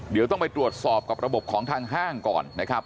เดี๋ยวต้องไปตรวจสอบกับระบบของทางห้างก่อนนะครับ